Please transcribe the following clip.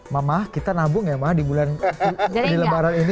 mama kita nabung ya ma di bulan lebaran ini